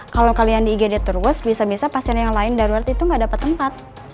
kalau kalian di igd terus bisa bisa pasien yang lain darurat itu nggak dapat tempat